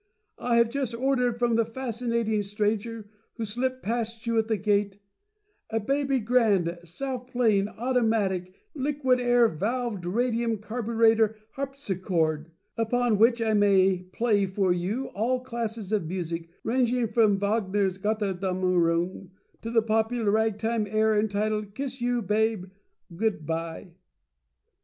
I have just ordered from the Fascinating Stranger, who slipped past you at the Gate, a Baby Grand, Self playing, Automatic, Liquid Air valved, Radium Carburetter, Harpsichord, upon which I may play for you all classes of Music, ranging from Vog ner's G otter dammerung to the popular rag time air entitled "Kiss Yo' Babe Good Bye!"